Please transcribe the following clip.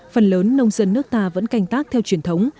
phần lớn nông dân nước ta vẫn canh tác theo truyền thống